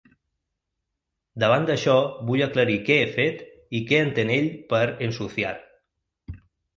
Davant d’això vull aclarir que he fet i que entén ell per “ensuciar”.